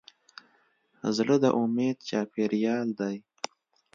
زړه د امید چاپېریال دی.